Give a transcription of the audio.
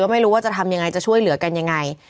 ไม่รู้ว่าจะทำยังไงจะช่วยเหลือกันยังไง